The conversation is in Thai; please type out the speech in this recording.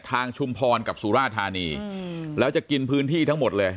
ชุมพรกับสุราธานีแล้วจะกินพื้นที่ทั้งหมดเลย